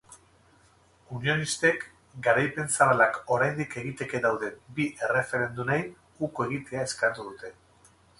Unionistek garaipen zabalak oraindik egiteke dauden bi erreferendumei uko egitea eskatu dute.